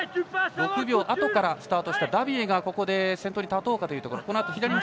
６秒あとからスタートしたダビエ先頭に立とうかというところ。